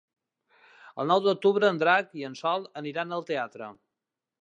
El nou d'octubre en Drac i en Sol aniran al teatre.